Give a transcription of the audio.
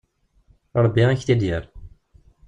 Rebbi ad ak-t-id-yerr.